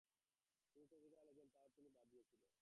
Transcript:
তিনি কবিতা লিখতেন, তাও তিনি বাদ দিয়েছিলেন।